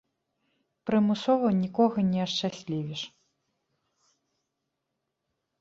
Прымусова нікога не ашчаслівіш.